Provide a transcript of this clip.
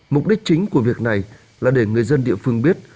mục đích chính của việc này là để người dân địa phương biết